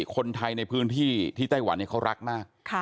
คนไทยในพื้นที่ที่ไต้หวันเขารักมาก